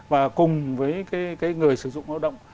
và cùng với cái người sử dụng lao động